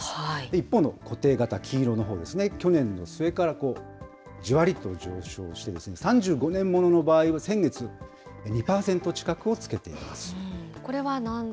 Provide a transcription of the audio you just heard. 一方の固定型、黄色のほうですね、去年の末からじわりと上昇して、３５年ものの場合は、先月、２％近くをつけています。